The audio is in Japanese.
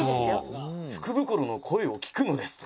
「“福袋の声を聞くのです”と」